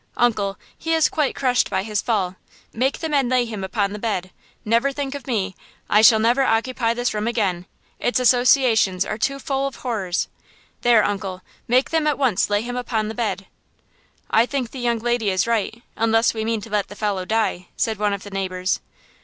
"Uncle, he is quite crushed by his fall. Make the men lay him upon the bed. Never think of me; I shall never occupy this room again; its associations are too full of horrors. There, uncle, make them at once lay him upon the bed." "I think the young lady is right, unless we mean to let the fellow die," said one of the neighbors.